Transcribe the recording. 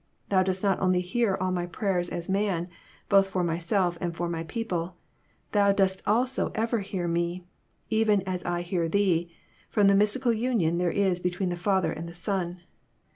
— Thou dost not only hear all my prayers as Man, both for myself and my people; Thou dost also ever hear Me, even as I hear Thee, from the mystical union there Is between the Father and the Son.